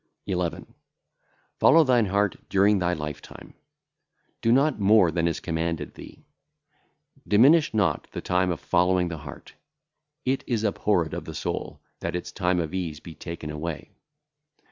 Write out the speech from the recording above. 11. Follow thine heart during thy lifetime; do not more than is commanded thee. Diminish not the time of following the heart; it is abhorred of the soul, that its time [of ease] be taken away.